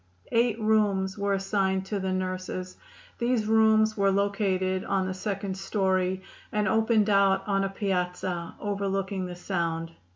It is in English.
Eight rooms were assigned to the nurses. These rooms were located on the second story, and opened out on a piazza overlooking the sound.